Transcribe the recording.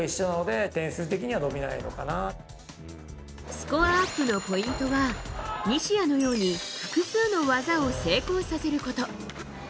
スコアアップのポイントは西矢のように複数の技を成功させること。